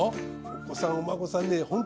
お子さんお孫さん